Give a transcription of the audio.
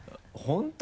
本当？